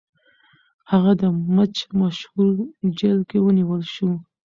هغه د مچ مشهور جیل کې ونیول شو.